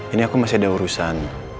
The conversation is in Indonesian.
ini aku masih ada urusan